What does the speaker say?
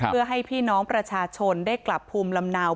เพื่อให้พี่น้องประชาชนได้กลับภูมิลำเนา